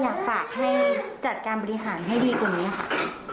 อยากฝากให้จัดการบริหารให้ดีกว่านี้ค่ะ